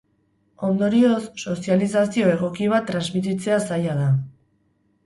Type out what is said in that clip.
Ondorioz, sozializazio egoki bat transmititzea zaila da.